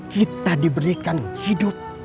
kita diberikan hidup